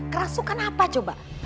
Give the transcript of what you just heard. kerasukan apa coba